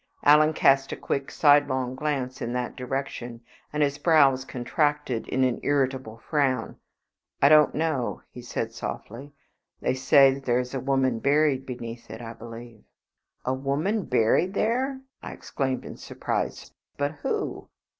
Alan cast a quick, sidelong glance in that direction, and his brows contracted in an irritable frown. "I don't know," he answered shortly; "they say that there is a woman buried beneath it, I believe." "A woman buried there!" I exclaimed in surprise; "but who?"